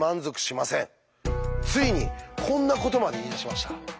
ついにこんなことまで言いだしました。